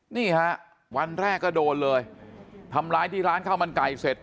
นี่ฮะวันแรกก็โดนเลยทำร้ายที่ร้านข้าวมันไก่เสร็จ